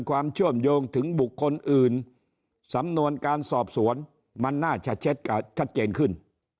ความเชื่อมโยงถึงบุคคลอื่นสำนวนการสอบสวนมันน่าจะชัดเจนขึ้น